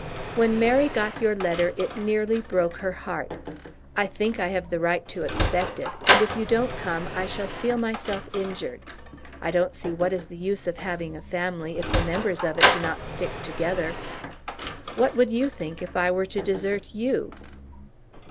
When Mary got your letter it nearly broke her heart. I think I have a right to expect it, and if you don't come I shall feel myself injured. I don't see what is the use of having a family if the members of it do not stick together. What would you think if I were to desert you?"